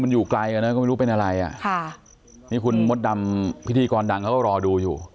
อยู่ไกลก็ไม่รู้เป็นอะไรคุณมดดำพิธีกรดังก็รอดูอยู่